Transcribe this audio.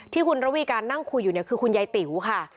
ที่คุณระวีการนั่งคุยอยู่เนี่ยคือคุณยายติ๋วค่ะ